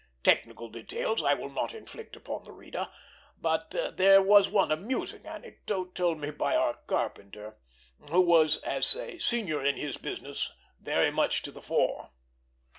Technical details I will not inflict upon the reader, but there was one amusing anecdote told me by our carpenter, who as a senior in his business was much to the fore.